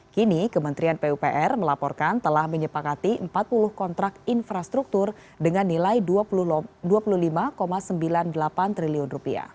kini kementerian pupr melaporkan telah menyepakati empat puluh kontrak infrastruktur dengan nilai rp dua puluh lima sembilan puluh delapan triliun